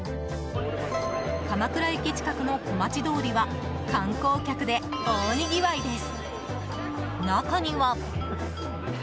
鎌倉駅近くの小町通りは観光客で大にぎわいです。